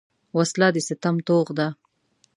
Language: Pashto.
وسله د ستم توغ ده